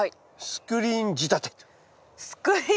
スクリーン仕立て。